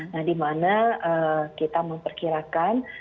nah di mana kita memperkirakan